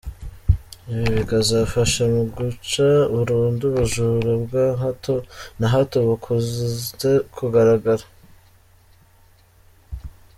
Ibi bikazafasha mu guca burundu ubujura bwa hato na hato bukunze kugaragara.